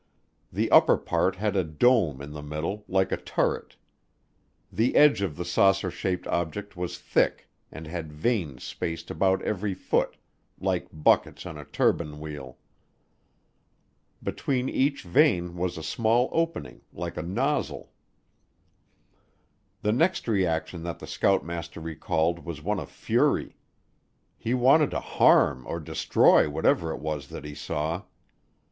The upper part had a dome in the middle, like a turret. The edge of the saucer shaped object was thick and had vanes spaced about every foot, like buckets on a turbine wheel. Between each vane was a small opening, like a nozzle. The next reaction that the scoutmaster recalled was one of fury. He wanted to harm or destroy whatever it was that he saw.